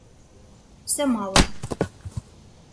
семала.